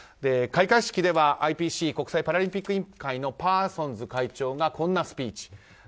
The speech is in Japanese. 開会式では、ＩＰＣ・国際パラリンピック委員会のパーソンズ会長がこんなスピーチ。